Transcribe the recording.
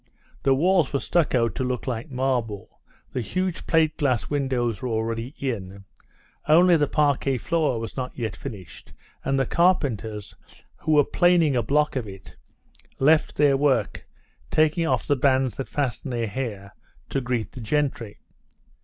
The walls were stuccoed to look like marble, the huge plate glass windows were already in, only the parquet floor was not yet finished, and the carpenters, who were planing a block of it, left their work, taking off the bands that fastened their hair, to greet the gentry.